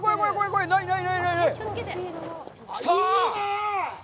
来た！